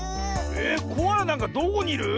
えっコアラなんかどこにいる？